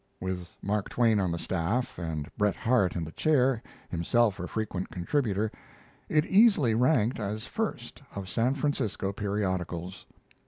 With Mark Twain on the staff and Bret Harte in the chair, himself a frequent contributor, it easily ranked as first of San Francisco periodicals.